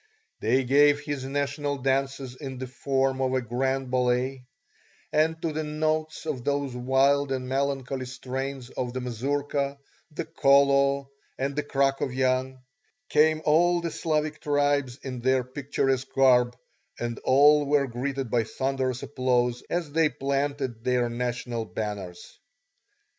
They gave his national dances in the form of a grand ballet, and to the notes of those wild and melancholy strains of the mazurka, the kolo, and the krakovyan, came all the Slavic tribes in their picturesque garb, and all were greeted by thunderous applause as they planted their national banners.